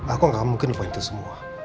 aku gak mungkin lupain itu semua